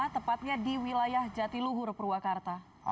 tepatnya di wilayah jatiluhur purwakarta